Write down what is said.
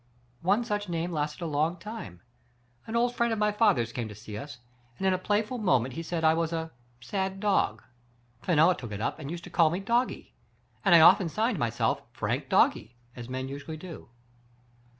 " One such name lasted a lon^ time. An old friend of my father's came to see us, and in a playful moment he said I was a *sad dog.* Fenella took it up and used to call me * Doggie,* and I often signed myself * Frank Doggie *— as men usually do."